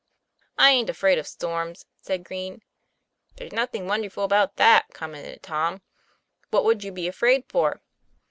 " I aint afraid of storms," said Green. 'There's nothing wonderful about that," com, mented Tom. "What would you be afraid for?"